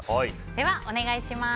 では、お願いします。